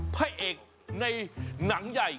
พระเอกในหนังใหญ่